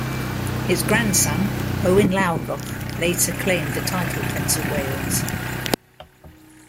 His grandson, Owain Lawgoch, later claimed the title Prince of Wales.